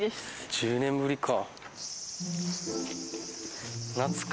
１０年ぶりか。